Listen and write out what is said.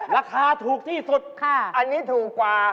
ราคาถูกที่สุดอันนี้ถูกกว่า